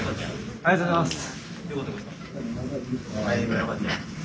ありがとうございます。